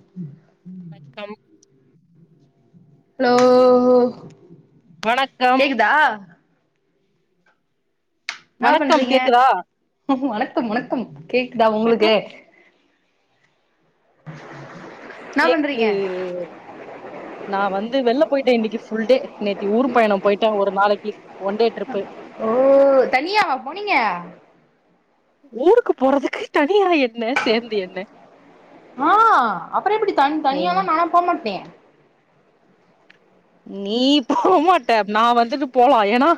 உம் உம் வணக்கம் ஹலோ வணக்கம் தா என்னா வணக்கம் பண்றீங்க கேக்குதா வணக்கம் வணக்கம் கேக்குதா உங்களுக்கு என்னா பண்றீங்க கேக்குது நா வந்து வெள்ல போயிட்டே இன்னிக்கு ஃபுல் டே நேத்தி ஊர் பயணம் போயிட்டோ ஒரு நாளைக்கி ஒன் டே ட்ரிப்பு ஓ தனியாவ போனீங்க ஊருக்கு போறதுக்கு தனியா என்ன சேர்ந்து என்ன ஆ அப்றோ எப்டி தன் எங் தனியாதா நாலா போமாட்னே நீ போ மாட்ட நா வந்துட்டு போலா ஏனா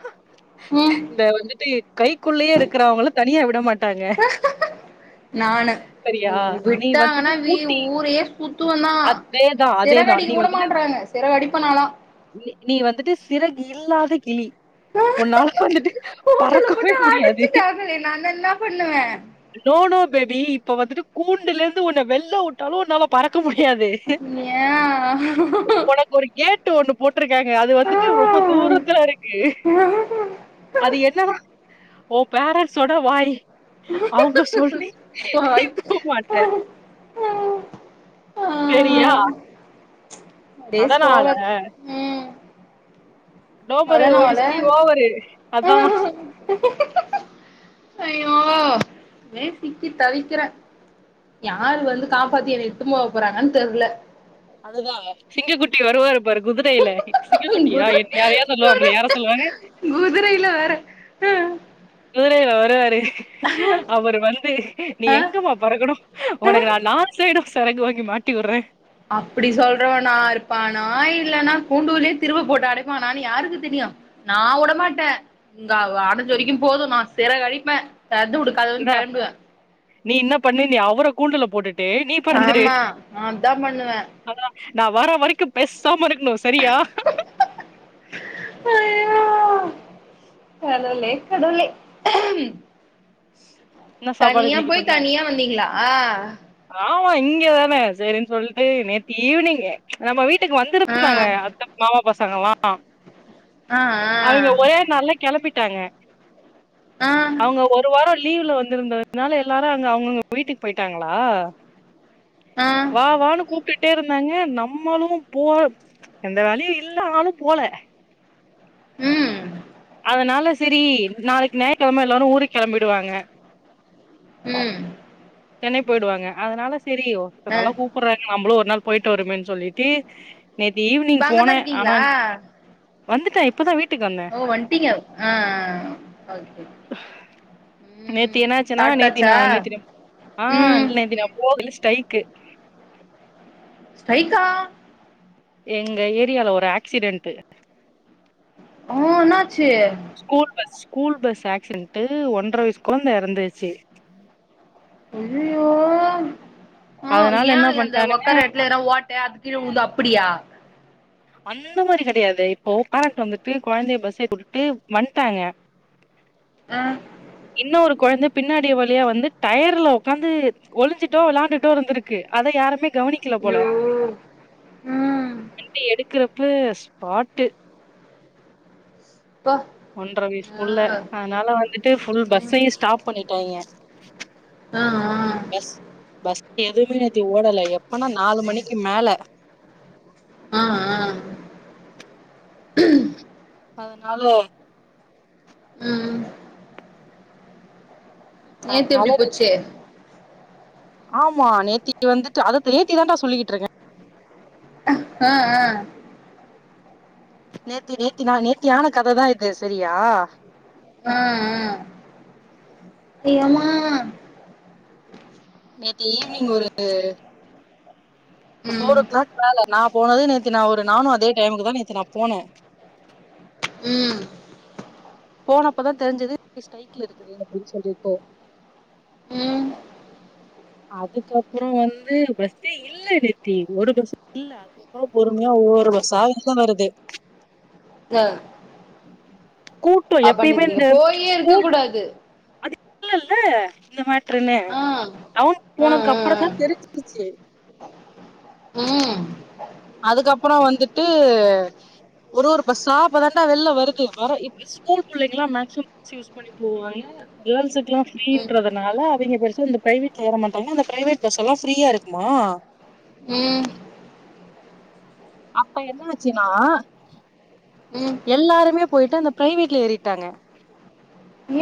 ம் இந்தா வந்துட்டு கைக்குள்ளயே இருக்கிறவங்கள தனியா விட மாட்டாங்க நானு சரியா ஊ நீ விட்டாங்கன்னா வந்துட்டு வீ பூட்டி ஊரே சுத்துவ நா அதேதா அதேதா நீ சிறகடிக்க வந்துட்டு உடமாட்றாங்க சிறகடிப்பே நாலா நீ நீ வந்துட்டு சிறகு இல்லாத கிளி உன்னால வந்துட்டு கூண்டுல பறக்கவே போட்டு முடியாது அடைச்சிட்டாங்களே நான்தா என்னா பண்ணுவே நோ நோ பேபி இப்ப வந்துட்டு கூண்டுலருந்து உன்ன வெள்ல உட்டாலு உன்னலா பறக்க முடியாது ஏ உனக்கு ஒரு கேட்டு ஒன்னு போட்ருக்காங்க அது வந்துட்டு ரொம்ப ஆ தூரத்துல இருக்கு அது ஹாய் என்ன ஓ பேரண்ட்ஸோட வாய் அவுங்க சொல்லி நீ போ மாட்டே ம் செரியா டேஸ் ஓவர் டோமரு ஓ அதனால இஷ்டி ஓவரு அதான் ஐயோ அப்டியே சிக்கி தவிக்கிறே யாரு வந்து காப்பாத்தி என்ன இட்டும் போ போறாங்கன் தெர்ல அதுதா சிங்க குட்டி வருவாருப்பாரு குதிரைல சிங்க குட்டியா என் யாரையா சொல்லுவாங்களே யார சொல்லுவாங்க குதுரைல வேற குதிரைல வருவாரு அவரு வந்து நீ ஆ எங்கம்மா பறக்கணு ஒனக்கு நா நாலு சைடு செறகு வாங்கி மாட்டிவுட்றே அப்படி சொல்றவனா இருப்பானா இல்லைன்னா கூண்டுலே திருவ போட்டு அடைப்பானானு யாருக்கு தெரியு நா வுடமாட்டே இங்க அடைஞ்ச வரைக்கும் போதும் நா சிற கழிப்பேன் தத்து கொடு இந்தா நீ என்ன பண்ணு அவர கூண்டுல போட்டுட்டு நீ ஆமா நா அதான் பண்ணுவே அதான் நா வர்ற வரைக்கும் பேசாம இருக்கணும் சரியா [inaudible] அஹ் கடவுளே கடவுளே என்ன சாப்பாடு தனியா இன்னைக்கு போய் பண்ண தனியா வந்தீங்களா ஆமா இங்கதானே சரின் சொல்லிட்டு நேத்தி ஈவினிங்கு நம்ம வீட் ட்டுக்கு வந்திருக்குனாங்க ஆ அத்த மாமா பசங்கல்லா ஆஹ் ஆஹ் அவுங்க ஒரே நாள்ல கிளப்பிட்டாங்க ஆ அவுங்க ஒரு வாரம் லீவ்ல வந்து இருந்ததுனால எல்லாரும் அங்க அவுங்கவுங்க வீட்டுக்கு போயிட்டாங்களா ஆ வா வானு கூப்ட் ட்டே இருந்தாங்க நம்மளும் போ எந்த வேலையும் இல்லனாலும் போல உம் அதனால செரி நாளைக்கு ஞாயிற்றுக்கிழமை எல்லாரும் ஊருக் கிளம்பிடுவாங்க உம் சென்னை போயிடுவாங்க அதனால சரி ஆ [unintelligible] கூப்டுறாங்க நம்மளும் ஒரு நாள் போயிட்டு வருமேன்னு சொல்லிட்டு நேத்து இப்ப ஈவினிங் அங்கதா போனே ஆனா இருக்கீங்களா வந்துட்டே இப்பதான் வீட்டுக்கு வந்த அப்போ வன்டிங்க ஆஹ் ஆஹ் ஆஹ் ஓகே நேத்தி ம் என்னாச்சுன்னா நேத்தி சாப்ட்டாச்சா நா நேத்தின ஆஹ் ம் நேத்தினா ஓட்டலு ஸ்டைக்கு ஸ்டைக்கா எங்க ஏரியால ஒரு ஆக்சிடென்ட்டு அஹ் என்னாச்சி school bus school bus accident ஒன்றரை வயசு குழந்த இறந்துச்சு ஐயய்யோ ஆஹ் அதனால என்ன ஏன் அந்த பண்ட்டானுங்க ஒக்கார இடத் துல ஓட்ட அதுக்கீழ விழுந்து அப்படியா அந்த மாதிரி கிடையாது இப்போ பேரண்ட் வந்துட்டு குழந்தைய பஸ் ஏத்தி விட்டுட்டு வந்ட்டாங்க ஆஹ் இன்னொரு குழந்த பின்னாடி வழியா வந்து டயர்ல உக்காந்து ஒளிஞ்சுட்டோ விளையாண்டுட்டோ இருந்திருக்கு அத யாருமே கவனிக்க கல போல ஐயோ ம் வண்டி எடுக்குறப்ப ஸ்பாட்டு அப்பா ஒன்றரை வயசு புள்ள ஆ அதனால வந்துட்டு ஃபுல் ம் பஸ்ஸையே ஸ்டாப் பண்ணிட்டாங்க ஆ பஸ் பஸ் எதுவுமே நேத்து ஓடல எப்பனா நாலு மணிக்கு மேல ஆஹ் ஆஹ் அதனால உம் உம் நேத்து எப்டி போச்சு ஆமா நேத்திக்கு வந்துட்டு அத நேத்தி தான்டா சொல்லிட்டு இருக்கே ஆஹ் ஆஹ் நேத்தி நேத்தினா நேத்தியான கதைதான் இது சரியா ஆஹ் செய்வோமா நேத்து ஈவினிங் ஒரு ஃபோர் ம் ஓ கிளாக் மேல நா போனது நேத்தி நா ஒரு நானும் அதே டைமுக்கு தான் நேத்தி நா போனே உம் போனப்பதா தெரிஞ்சுது ஸ்டைகில இருக்குதுனு அப்டின்னு சொல்லிட்டு ம் அதுக்கப்புற வந்து பஸ்ஸே இல்ல நேத்தி ஒரு பஸ் இல்ல [unintelligible] பொறுமையா ஒவ்வொரு பாஸ்ஸா உள்ள வருது [unintelligible] கூட்டோ அப்ப எப்பய்மே நேத்து நீங்க இந்து போயே இருக்க ஸ்கூல் கூடாது அது இல்ல ல்ல இந்த மேட்டருன்னு ஆ டவுன் ஆ ஆ போனதுக்கப்பரோ ஆ தா தெரிஞ்சிருச்சு ம் அதுக்கப்ரோ வந்துட்டு ஒரு ஒரு பாஸ்ஸா அப்போதான்டா வெள்ள வருது வர இப் ஸ்கூல் புள்ளைங்ள மேக்சிம் பஸ் யூஸ் பண்ணி போவாங்க கேள்ஸ்குல்லா ஃப்ரீறதுனால அவைங்க பெருசா இந்த ப்ரைவேட்ல எறமாட்டாங்கா அந்த ப்ரைவேட் பஸ்சுலா ஃப்ரீயாருக்குமா ம் ம் அப்ப என்னாச்சுனா ம் எல்லாருமே போய்ட்டு அந்த ப்ரைவேட்ல ஏறிட்டாங்க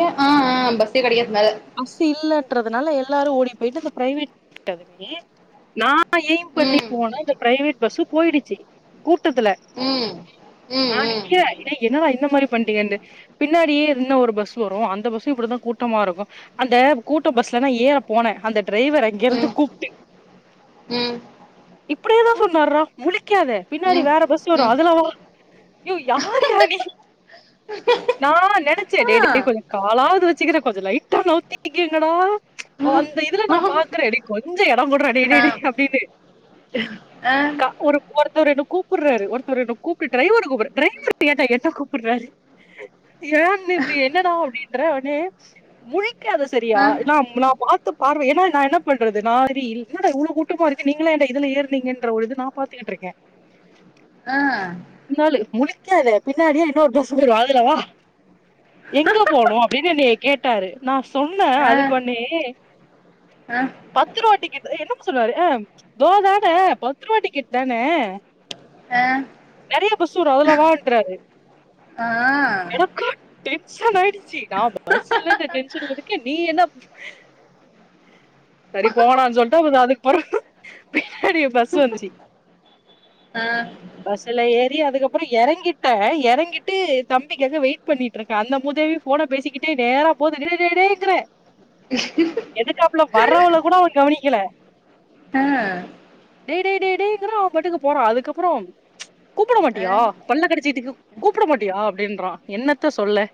ஏ ஆ ஆ பஸ்ஸே கடகத்னால பஸ்சு இல்லன்றுதுனால எல்லாரு ஓடி போய்ட்டு இந்த ப்ரைவேட் இருகதுமே நா எய்ம் பண்ணி ம் போனா இந்த ப்ரைவேட் பஸ்சு போய்டுச்சு கூட்டத்துல ம் ம் நா ம் நிக்கிறே இளே என்னட இந்த மாரி பண்ட்டீங்கண்ட்டு பின்னாடியே இன்னொரு பஸ்சு வரு அந்த பஸ்சு இப்டித்தா கூட்டமாருக்கு அந்த கூட்டோ பஸ்ல நா ஏற போனே அந்த டிரைவர் அங்கெருந்து ம் கூப்டு ம் இப்டியேதா சொன்னார்ரா முழிக்காத பின்னாடி ம் வேற பஸ்சு வரு ம் அதுலவா யே யார்யா நீ நா நெனச்சே ஆ டே டேய் கொஞ்சோ காலாவது வச்சுக்கிறே கொஞ்சோ லைட் டா நாவுத்துகிங்கடா ஓ ம் அந்த இதுல நா ஆ பாக்கற கொஞ்சோ எடோகுட்ற டே டே டேய் அப்டின்னு ஆ க ஒரு ஒருத்தவரு என்ன கூப்புர்ராரு ஒருத்தர் என்ன கூப்ட்டு ட்ரைவர கூப்ட்டு ட்ரைவரரு ஏன்டா என்ன கூப்புற்றாரு ஏன்னா இப்டி என்னடா அப்டின்ற உனே முழிக்காத சரியா ஆ எனா நா பாத்த பார்வை என்ன நா என்ன பண்றது நா ஆல்ராடி என்னட இவ்ளோ கூட் ட்டமா இருக்கு நீங்களயாண்ட இதுல எர்நீங்கன்றா ஒரு இது நா பாத்துகிட்ருக்கே ஆ ஆ பின்னாலு முழிக்காத பின்னாடியே இன்னொரு பஸ்சுவரு அதுல வா எங்க போனு அப்டின்னு என்னய கேட்டாரு நா சொன்ன ஆ அதுக்கு ஒன்னே ஆ ஆ பத்துருவ டிக்கெட்டு அ என்னமோ சொன்னாரு அ தோதான பத்ரூவ டிக்கெட் தானே ஆ நெறைய பஸ்சு வரு அதுலவான்டராரு ஆ எனக்கு டென்ஷன் ஆயிடுச்சு நா அந்த பஸ் ஸு இல்லன்ற டென்ஷன்ல இருக்கே நீ என்ன சரி போங்கடான்னு சொல்ட்டோ அதுக்குப்புறகு பின்னாடியே பஸ் வந்துச்சு ஆ சுல ஏறி அதுக்கப்றோ எறங்கிட்டே எறங்கிட்டு தம்பிக்காக வெய்ட் பண்ணிட்ருக்க அந்த முதேவி ஃபோன பேசிக்கிட் டே நேர போது டே டே டேய்ங்கிற எதுக்காப்ல வருவாளகூட அவ கவுனிக்கல ஆ டே டே டே டேய்ங்குற அவ பாட்டுக்கு போறா அதுக்கப்றோ கூப்பட மாட்டியா பல்ல கடுச்சிடுக்கு கூப்பட மாட்டியா அப்டின்றா என்னத்த சொல்ல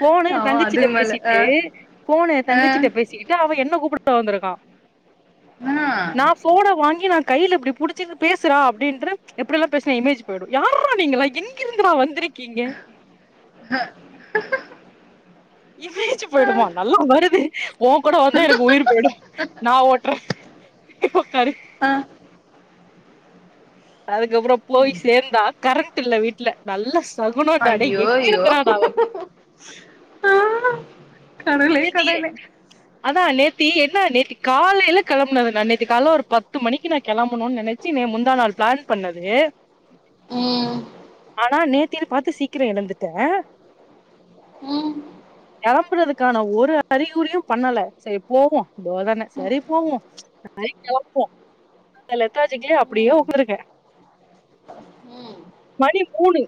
ஃபோனு ஆ என் தங்கச்சிட்ட அதுக்கு மேல ஆ பேசிட்டு ஃபோனு எ ஆ தங்கச்சிட்ட பேசிகிட் டு அவன் என்ன கூப்ட வந்திருக்கா ஆ நா ஃபோன வாங்கி நா கையில இப்டி புடிச்சட்டு பேசுறா அப்டின்றே எப்டியெல்லா பேசுனா என் இமேஜ் போய்டு யாரா நீங்களா எங்கிருந்துடா வந்திருக்கீங்க இமேஜ் போயிடுமா நல்லா வருது உன் கூட வந்தா எனக்கு உயிர் போயிடு நா ஓட்றே உக்காரு ஆ அதுக்கப்புறோ போய் சேந்தா கரண்ட் இல்ல வீட்ல நல்ல சகுனண்டா டே எங்க இருந்துடா நா வந்தே ஆ யேத்திய அதா நேத்தி என்னா நேத்தி காலையில கிளம்புனது நானு நேத்தி கால்ல ஒரு பத்து மணிக்கு நா கிளம்புனோனு நெனை முந்தா நாள் பிளான் பண்ணது ம் ஆனா நேத்தினு பாத்து சீக்கிர எழுந்துட்டே ம் கிளம்புறதுக்கான ஒரு அறிகுறியு பண்ணல செரி போவோ இதோதானே செரி போவோ நைட் கெளம்புவோ லத்தாஜிக்கலி அப்டியே ம் உக்காருக்கே ம் மணி மூணு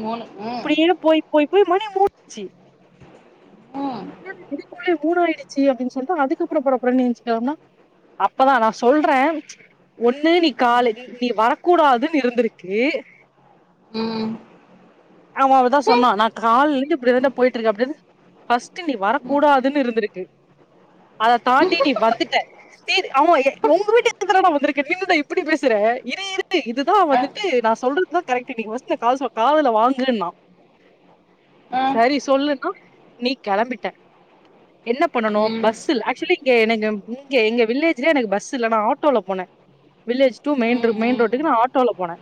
மூணு ம் இப்டியே போய் போய் போய் மணி மூணாச்சி ம் ன்னாடி இதுக்குள்ளே மூணாயிடுச்சு அப்டின்னு சொல்ட்டு அதுக்கப்புற படபடனு ஏஞ்சி கெளம்புனா அப்பதா நா சொல்றே ஒன்னு நீ காலை நீ வரக்கூடாதுன்னு இருந்திருக்கு ம் ஆமா அவதா ம் சொன்னா நா கால்லந்து இப்டிதாண்டா போயிட்டு இருக்கே அப்டின் ஃபஸ்ட்டு நீ ம் வரக்கூடாதுன்னு இருந்திருக்கு அத தாண்டி நீ வந்துட்ட தெரி அவ உங்க வீட்டுக்கு தானடா வந்திருக்கே நீ என்னடா இப்டி பேசுற இரு இரு இதுதா அ வந்துட்டு நா சொல்ற துதா கரெக்ட்டு நீ ஃபஸ்டு கால்ஸா காதுல வாங்கு ன்னா அ சரி சொல்லுனா நீ கெளம்பிட்ட என்ன பண்ணனு ம் பஸ் இல்ல ஆக்சுலி இங்க எனக்கு இங்க எங்க வில்லேஜ்லயே எனக்கு பஸ் இல்ல நா ஆட்டோல போனே வில்லேஜ் டூ மெயின்ரு ம் மெயின் ம் ரோட்டுக்கு நா ஆட்டோல போனே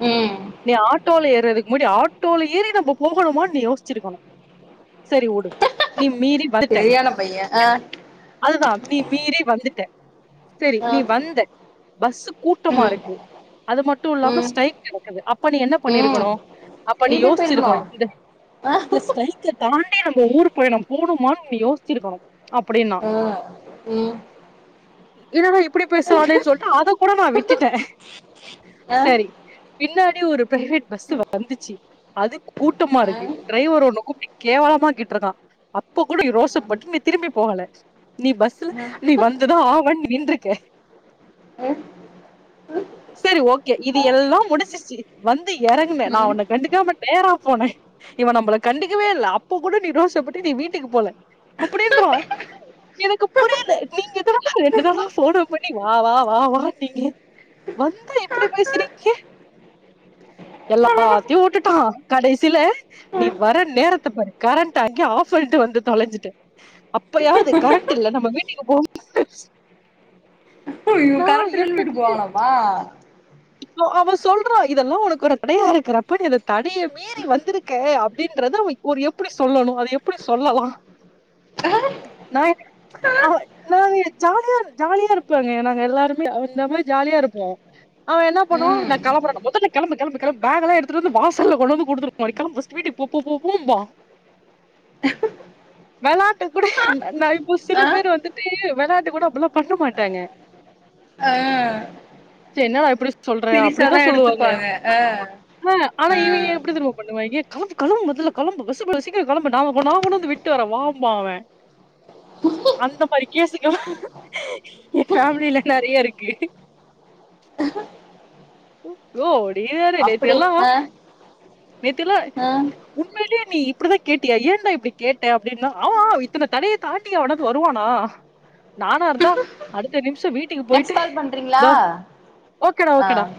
ம் நீ ஆட்டோல ஏறதுக்கு முன்னடி ஆட்டோல ஏறி நம்ம போகணுமானு நீ யோசிச்சிருக்கணு சரி உடு நீ மீறி வந்துட்ட செரியான பைய அ அதுதா நீ மீறி வந்துட்ட செரி அ நீ வந்த பஸ்ஸு கூட்டமா ம் இருக்கு அது மட்டு இல்லாம ம் ஸ்ரைக் நடக்குது அப்ப நீ என்ன ம் பண்ணிருக்கணு அப்ப நீ வீட்டுக்கு போயிருக்கணு யோசிச்சிருக்கணு இந்த அ இந்த ஸ்ரைக்க தாண்டி நம்ம ஊர் பயணம் போணுமான்னு நீ யோசிச்சிருக்கணு அப்டின்னா அ ம் இதென்னா இப்டி பேசுரானேன்னு சொல்ட்டு அத கூட நா விட்டுட்டே அ சரி பின்னாடி ஒரு பிரைவேட் பஸ்ஸு வந் வந்துச்சு அது கூட்டமா அ அ இருக்கு டிரைவர் உன்ன கூப்டு கேவலமா கேட்ருக்கா அப்ப கூட நீ ரோசப்பட்டு நீ திரும்பி போகல நீ பஸ்ல றி வந்துதா ஆவனு நீ நின்றுக்க உம் சரி ஓகே இது எல்லா முடிச்சிருச்சு வந்து இறங்குன நா ம் உன்னை கண்டுக்காம நேரா போனே இவன் நம்மள கண்டுக்கவே இல்ல அப்ப கூட நீ ரோஸப்பட்டு நீ வீட்டுக்கு போல அப்டின்றா எனக்கு புரியல நீங்க தாண்டா ரெண்டு நாள் போன பண்ணி வா வா வா வா நீங்க வந்தா இப்டி பேசுறீங்க ஆதியூ உட்டுட்டா கடைசில நீ வர நேரத்த போரு கரண்ட் ஆங்கியே ஆப் பண்ணிட்டு வந்து தொலைஞ்சிட்ட அப்பயாது கரெண்ட் இல்ல நம்ம வீட்டுக்கு போவோண்டு அய்யோ கரண்ட் இல்லனு வீட்டுக்கு போவாங்கலாமா இப்ப அவ சொல்றா இதெல்லா ஒனக்கு ஒரு தடையா இருக்கிறப்ப நீ அத தடைய மீறி வந்திருக்க அப்டின்றது அவ ஒரு எப்டி சொல்லணு அது எப்டி சொல்லலா நா அ அவ் நாங்க ஜாலியா ஜாலியா இருப்பாங்க நாங்க எல்லாருமே அந்த மாரி ஜாலியா இருப்போ அவ என்னா பண்ணுவா நா ம் கெளம்புறேன்ன மொதல்ல கெளம்பு கெளம்பு கெளம்பு பேக்ல்லா எடுத்துட்டு வந்து வாசல் ல வந்து குடுத்துடு ளைக்கால பர்ஸ்ட்டு வீட்டுக்கு போ போ போ போம்பா வெளாட்டு கூட நா இப்போ சில ஆ பேரு வந்துட்டு வெளாட்டு கூட அப்பல்லா பண்ண மாட்டாங்க [inaudible] ஆ சரி என்னடா இப்டி சொல்ற அப்படித்தா சீரியஸாதா சொல்லுவாங்க எடுத்துப்பாங்க ஆ ஆ ஆனா இவங்க எப்டி தெரிமா பண்ணுவாங்க களம்பு களம்பு மொதல்ல களம்பு சீக்கர சீக்கிர கெளம்பு நா நா கொன்னாந்து விட்டுவரே வாம்பாவ அந்த மாரி கேசக்க ஏ ஃபேமிலில நெறைய இருக்கு யோ ஒடிேயேறு நேத்ததி அப்டி எல்லா ஆ நேத்தில்லா ஆ உண்மைலே நீ இப்படிதா கேட்டியா ஏன்டா இப்டி கேட்ட அப்படின்னா ஆமா இத்தன தடைய தாண்டியா எவனாது வருவானா நானா இருந்தா அடுத்த நிமிஷ வீட்டுக்கு போயிட்டு நெக்ஸ்ட் கால் பண்றீங்களா தொ ஓகேடா ஓகேடா ஆ